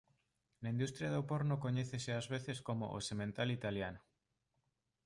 Na industria do porno coñécese ás veces como «"O Semental Italiano"».